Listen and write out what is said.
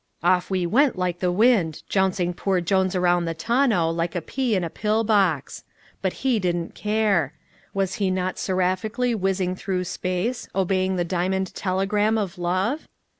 Off we went like the wind, jouncing poor Jones around the tonneau like a pea in a pill box. But he didn't care. Was he not seraphically whizzing through space, obeying the diamond telegram of love?